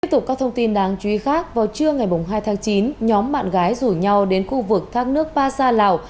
tiếp tục các thông tin đáng chú ý khác vào trưa ngày hai tháng chín nhóm bạn gái rủ nhau đến khu vực thác nước ba sa lào